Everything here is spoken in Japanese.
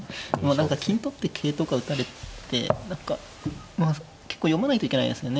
何か金取って桂とか打たれて何かまあ結構読まないといけないですよね